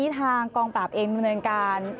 ทางกองปราบเองมันเป็นการ